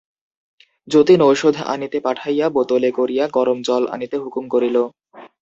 যতীন ঔষধ আনিতে পাঠাইয়া বোতলে করিয়া গরম জল আনিতে হুকুম করিল।